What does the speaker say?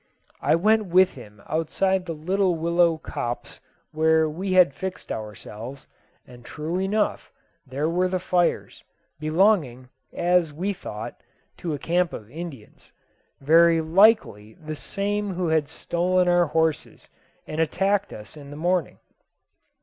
I went with him outside the little willow copse where we had fixed ourselves, and true enough there were the fires, belonging, as we thought, to a camp of Indians very likely the same who had stolen our horses and attacked us in the morning.